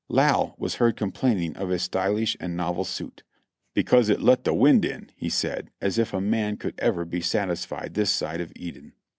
Lai. was heard complaining of his stylish and novel suit : ^'Because it let the wind in," he said, as if a man could ever be satisfied this side of Eden.